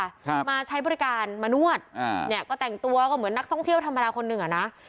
ครับมาใช้บริการมานวดอ่าเนี้ยก็แต่งตัวก็เหมือนนักท่องเที่ยวธรรมดาคนหนึ่งอ่ะนะ